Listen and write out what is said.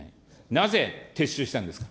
なぜ撤収したんですか。